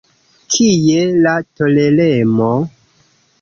Kie la toleremo?